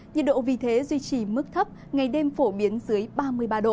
nhiệt độ vì thế duy trì mức thấp ngày đêm phổ biến dưới ba mươi ba độ